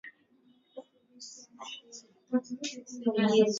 yaliyofuatia hadi mwisho wa vita hiyo ambayo mwanzo ilikuwa ya ushindi mkubwa kwa Waafrika